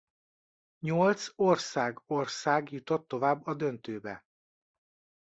Nyolc ország ország jutott tovább a döntőbe.